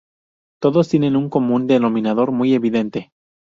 todos tienen un común denominador muy evidente